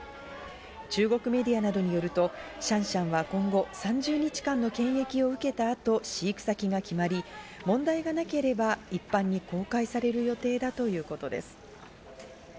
中国メディアなどによるとシャンシャンは今後３０日間の検疫を受けたあと飼育先が決まり、問題がなければ一般に公開される予定だということです。